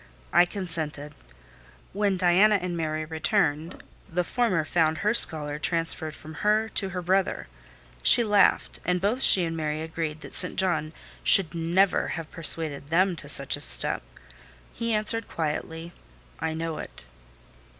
I consented. When Diana and Mary returned, the former found her scholar transferred from her to her brother: she laughed, and both she and Mary agreed that St. John should never have persuaded them to such a step. He answered quietly— "I know it."